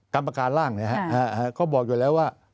กรรมพิจารณ์ร่างบอกอยู่แล้วว่า